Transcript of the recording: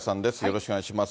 よろしくお願いします。